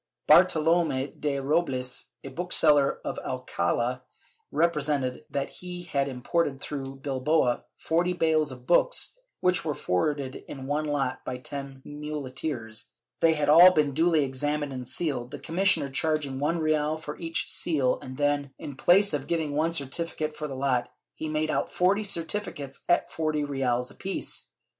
Bartolome de Robles, a bookseller of Alcald, represented that he had imported through Bilbao forty bales of books, which were forwarded in one lot by ten muleteers; they had all been duly examined and sealed, the commissioner charging one real for each seal and then, in place of giving one certificate for the lot, he made out forty certificates at four reales apiece.